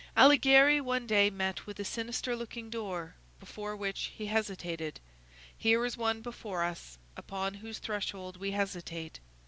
Alighieri one day met with a sinister looking door, before which he hesitated. Here is one before us, upon whose threshold we hesitate.